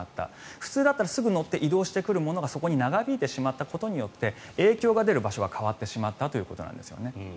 普通だったらすぐに乗って移動してくるものがそこに長引いてしまったことによって影響が出る場所が変わってしまったということなんですよね。